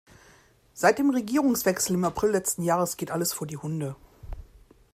Seit dem Regierungswechsel im April letzten Jahres geht alles vor die Hunde.